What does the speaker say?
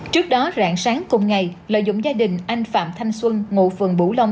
trước đó rạng sáng cùng ngày lợi dụng gia đình anh phạm thanh xuân ngụ phường bũ long